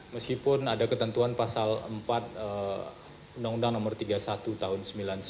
meskipun ada ketentuan pasal empat undang undang nomor tiga puluh satu tahun seribu sembilan ratus sembilan puluh sembilan